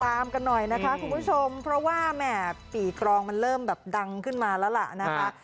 ตามกันหน่อยนะคะคุณผู้ชมเพราะว่าแหม่ปีกรองมันเริ่มแบบดังขึ้นมาแล้วล่ะนะคะ